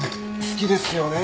好きですよね